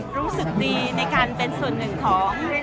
รู้สึกดีในการเป็นส่วนหนึ่งของ